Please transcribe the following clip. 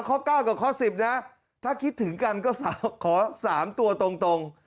ข้อ๙กับข้อ๑๐นะถ้าคิดถึงกันก็ขอ๓ตัวตรง